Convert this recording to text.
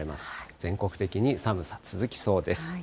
全国的に寒さ続きそうです。